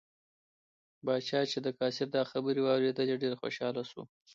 پاچا چې د قاصد دا خبرې واوریدلې ډېر خوشحاله شو.